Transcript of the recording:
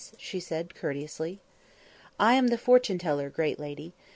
she said courteously. "I am the fortune teller, great lady.